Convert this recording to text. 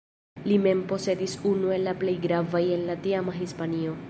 Li mem posedis unu el la plej gravaj en la tiama Hispanio.